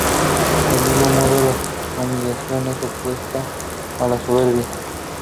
Del mismo modo, la humildad es opuesta a la soberbia.